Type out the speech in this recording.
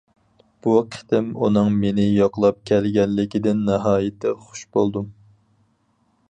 بۇ قېتىم ئۇنىڭ مېنى يوقلاپ كەلگەنلىكىدىن ناھايىتى خۇش بولدۇم.